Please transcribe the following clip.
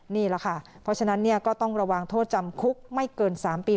นี่แหละค่ะเพราะฉะนั้นก็ต้องระวังโทษจำคุกไม่เกิน๓ปี